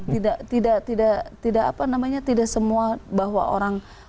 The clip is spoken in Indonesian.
tidak tidak apa namanya tidak semua bahwa orang